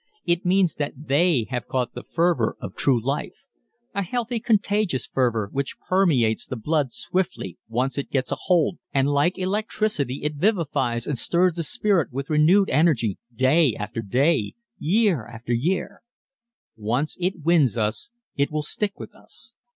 It means that they have caught the fervor of true life ... a healthy, contagious fervor which permeates the blood swiftly once it gets a hold, and like electricity it vivifies and stirs the spirit with renewed energy day after day, year after year. Once it wins us it will stick with us.